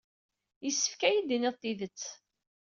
Yessefk ad iyi-d-tinid tidet.